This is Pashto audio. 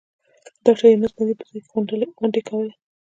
د ډاکټر یونس ندیم په ځای کې غونډې کولې.